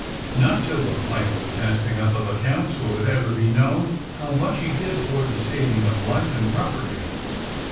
Not till the final casting up of accounts will it ever be known how much he did toward the saving of life and property.